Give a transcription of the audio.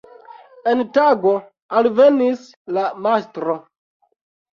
En tago, alvenis la mastro.